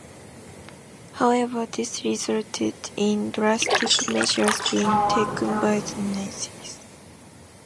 However, this resulted in drastic measures being taken by the Nazis.